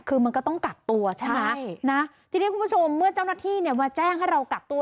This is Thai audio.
คือมันก็ต้องกักตัวใช่ไหมใช่นะทีนี้คุณผู้ชมเมื่อเจ้าหน้าที่เนี่ยมาแจ้งให้เรากักตัว